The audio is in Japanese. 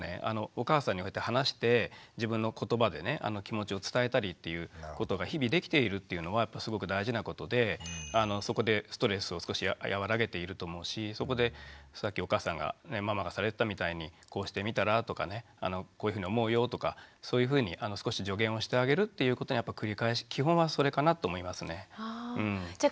お母さんにああやって話して自分のことばでね気持ちを伝えたりっていうことが日々できているっていうのはすごく大事なことでそこでストレスを少し和らげていると思うしそこでさっきお母さんがママがされてたみたいにこうしてみたらとかねこういうふうに思うよとかそういうふうに少し助言をしてあげるっていうことのやっぱり繰り返し基本はそれかなって思いますね。